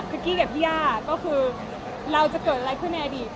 คือกี้กับพี่ย่าก็คือเราจะเกิดอะไรขึ้นในอดีต